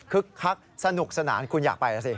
คึกคักสนุกสนานคุณอยากไปหรือสิ